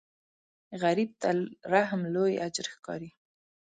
غریب ته رحم لوی اجر ښکاري